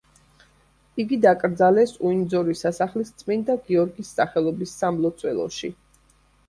იგი დაკრძალეს უინძორის სასახლის წმინდა გიორგის სახელობის სამლოცველოში.